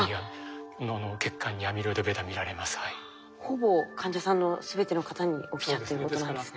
ほぼ患者さんの全ての方に起きちゃってることなんですね。